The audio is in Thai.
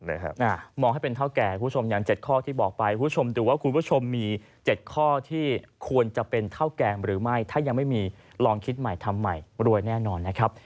มองให้เป็นเท่าแก่คุณผู้ชมอย่าง๗ข้อที่บอกไปคุณผู้ชมดูว่าคุณผู้ชมมี๗ข้อที่ควรจะเป็นเท่าแกงหรือไม่ถ้ายังไม่มีลองคิดใหม่ทำใหม่รวยแน่นอนนะครับ